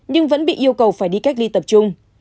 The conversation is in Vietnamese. nhưng vẫn bị yêu cầu phải đi cách ly tập trung